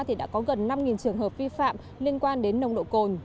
thì đã có gần năm trường hợp vi phạm liên quan đến nồng độ cồn